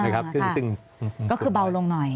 ก็คือเบาลงหน่อย